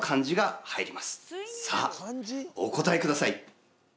さあお答えください！